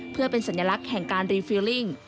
เพื่อเป็นสัญลักษณ์แห่งการรีฟิลลิ่ง